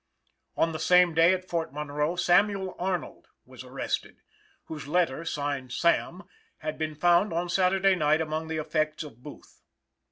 On the same day at Fort Monroe, Samuel Arnold was arrested, whose letter signed "Sam" had been found on Saturday night among the effects of Booth.